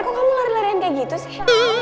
kok kamu lari larian kayak gitu sih chef